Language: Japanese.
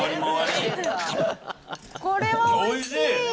これはおいしい。